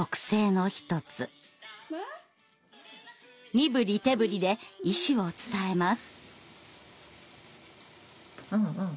身ぶり手ぶりで意思を伝えます。